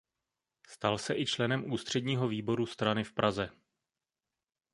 Stal se i členem ústředního výboru strany v Praze.